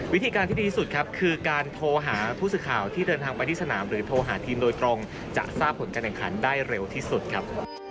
วิธีการที่ดีที่สุดครับคือการโทรหาผู้สื่อข่าวที่เดินทางไปที่สนามหรือโทรหาทีมโดยตรงจะทราบผลการแข่งขันได้เร็วที่สุดครับ